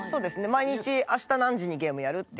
毎日「明日何時にゲームやる？」って言って。